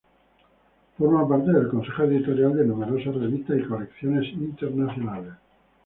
Forma parte del consejo editorial de numerosas revistas y colecciones internacionales.